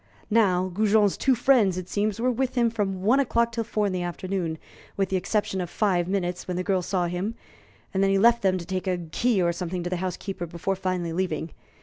Now, Goujon's two friends, it seems, were with him from one o'clock till four in the afternoon, with the exception of five minutes when the girl saw him, and then he left them to take a key or something to the housekeeper before finally leaving.